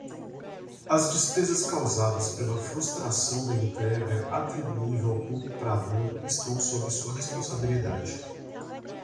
As despesas causadas pela frustração da entrega atribuível ao comprador estão sob sua responsabilidade.